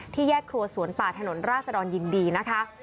แยกครัวสวนป่าถนนราชดรยินดีนะคะ